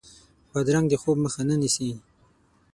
بادرنګ د خوب مخه نه نیسي.